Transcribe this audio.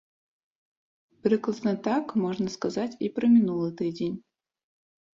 Прыкладна так можна сказаць і пра мінулы тыдзень.